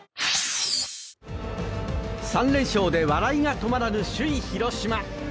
３連勝で笑いが止まらぬ首位、広島。